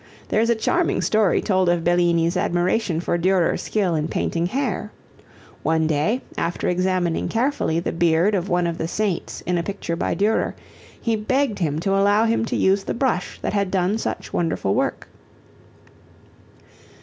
There is a charming story told of Bellini's admiration of Durer's skill in painting hair: One day, after examining carefully the beard of one of the saints in a picture by Durer, he begged him to allow him to use the brush that had done such wonderful work.